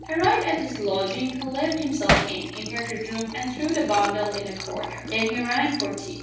Arrived at his lodging he let himself in, entered his room, and threw the bundle in a corner. Then he rang for tea.